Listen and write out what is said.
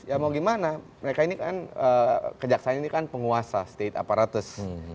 ya mau gimana mereka ini kan kejaksaan ini kan penguasa state aparatus